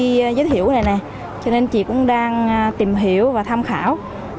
chị cũng đi giới thiệu này nè cho nên chị cũng đang tìm hiểu và tham khảo